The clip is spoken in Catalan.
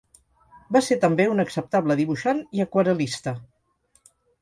Va ser també un acceptable dibuixant i aquarel·lista.